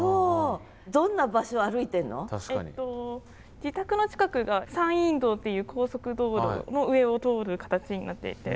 自宅の近くが山陰道っていう高速道路の上を通る形になっていて。